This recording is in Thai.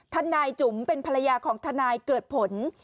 ทนายจุ๋มเป็นภรรยาของทนายเกิดผล